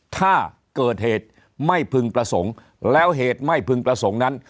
ถ้าเกิดเหตุไม่พึงประสงค์แล้วเหตุไม่พึงประสงค์นั้น